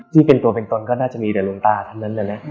ที่เป็นตัวเป็นตนก็น่าจะมีแต่หลวงตาทั้งนั้นแหละนะ